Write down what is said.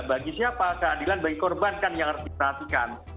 bagi siapa keadilan bagi korban kan yang harus diperhatikan